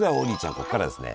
ここからですね